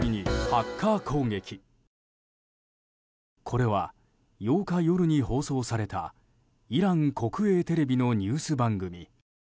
これは８日夜に放送されたイラン国営テレビのニュース番組。